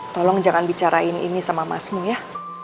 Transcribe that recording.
tolong jangan bicarain ini sama masmu ya